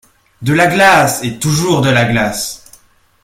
De la glace, et toujours de la glace!